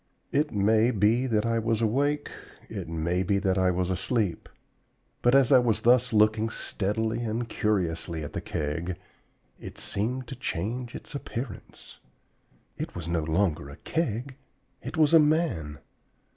... It may be that I was awake; it may be that I was asleep; but as I was thus looking steadily and curiously at the Keg, it seemed to change its appearance. It was no longer a Keg: it was a man!